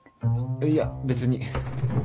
いや別に。